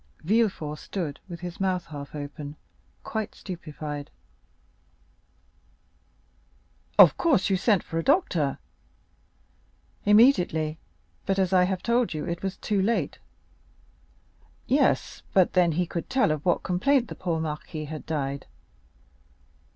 Villefort stood with his mouth half open, quite stupefied. "Of course you sent for a doctor?" "Immediately; but, as I have told you, it was too late." "Yes; but then he could tell of what complaint the poor marquis had died."